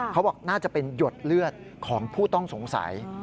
เขาบอกน่าจะเป็นหยดเลือดของผู้ต้องสงสัย